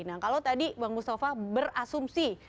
nah kalau tadi bang mustafa berasumsi